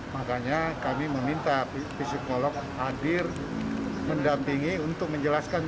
makanya kami meminta psikolog hadir mendampingi untuk menjelaskan